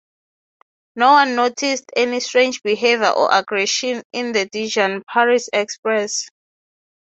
No one noticed any strange behaviour or aggression in the Dijon-Paris express.